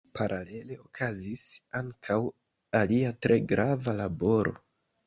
Paralele okazis ankaŭ alia tre grava laboro.